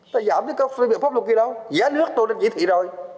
ta giảm với các phương tiện pháp luật kia đâu giá nước tôi đã chỉ thị rồi